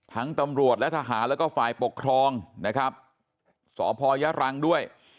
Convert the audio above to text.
ตำรวจและทหารแล้วก็ฝ่ายปกครองนะครับสพยรังด้วย